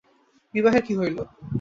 বিবাহের কী হইল?